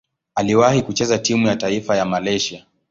Aliwahi kucheza timu ya taifa ya Malaysia.